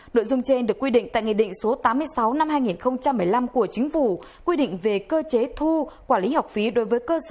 đội dung trên được quy định tại nghị định số tám mươi sáu năm hai nghìn một mươi năm của chính phủ quy định về cơ chế thu quản lý học phí đối với khu vực thành thị